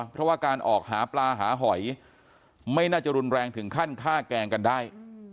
เพราะว่าการออกหาปลาหาหอยไม่น่าจะรุนแรงถึงขั้นฆ่าแกล้งกันได้